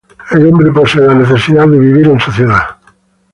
El hombre posee la necesidad de vivir en sociedad.